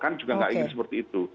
kan juga nggak ingin seperti itu